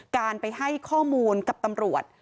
การไปให้ข้อมูลกับตำรวจ